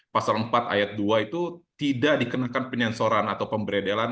pasal empat ayat dua itu tidak dikenakan penyensoran atau pemberedelan